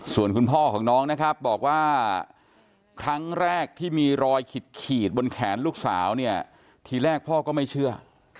ส่วนคุณพ่อของน้องนะครับบอกว่าครั้งแรกที่มีรอยขีดขีดบนแขนลูกสาวเนี่ยทีแรกพ่อก็ไม่เชื่อ